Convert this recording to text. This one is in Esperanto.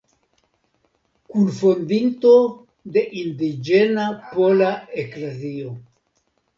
Kunfondinto de Indiĝena Pola Eklezio.